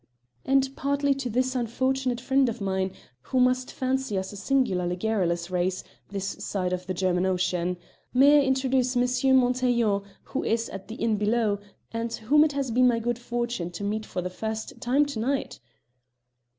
"And partly to this unfortunate friend of mine, who must fancy us a singularly garrulous race this side of the German Ocean. May I introduce M. Montaiglon, who is at the inn below, and whom it has been my good fortune to meet for the first time to night?"